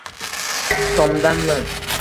Tomdanmi?